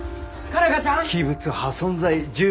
佳奈花ちゃん！